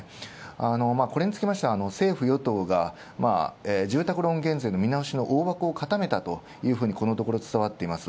これにつきましては政府与党が、住宅ローン減税の見直しの大枠を固めたと伝わっている。